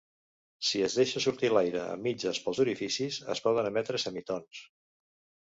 Si es deixa sortir l'aire a mitges pels orificis, es poden emetre semitons.